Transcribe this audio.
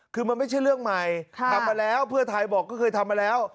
คือมันไม่ใช่เรื่องใหม่ทำมาแล้วเพื่อไทยบอกก็เคยทำมาแล้ว